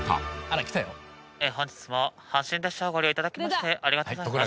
本日も阪神電車をご利用頂きましてありがとうございます。